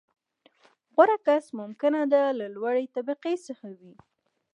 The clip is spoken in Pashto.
• غوره کس ممکنه ده، له لوړې طبقې څخه وي.